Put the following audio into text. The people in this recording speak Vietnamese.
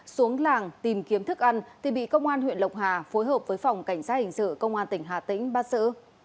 xuống làng tìm kiếm thức ăn thì bị công an huyện lộc hà phối hợp với phòng cảnh sát hình sự công an tỉnh hà tĩnh bắt sử